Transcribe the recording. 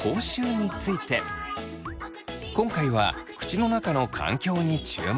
今回は口の中の環境に注目。